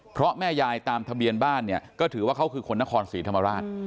เพราะแม่ยายตามทะเบียนบ้านเนี่ยก็ถือว่าเขาคือคนนครศรีธรรมราช